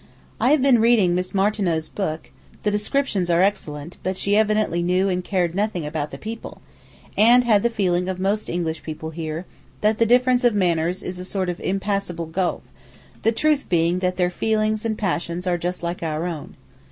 I have been reading Miss Martineau's book; the descriptions are excellent, but she evidently knew and cared nothing about the people, and had the feeling of most English people here, that the difference of manners is a sort of impassable gulf, the truth being that their feelings and passions are just like our own.